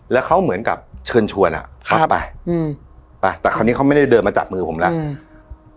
แล้วเขาเหมือนกับเชิญชวนอ่ะครับไปอืมไปแต่คราวนี้เขาไม่ได้เดินมาจับมือผมแล้วอืม